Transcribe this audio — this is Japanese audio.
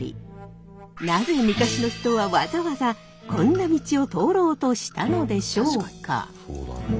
なぜ昔の人はわざわざこんな道を通ろうとしたのでしょうか？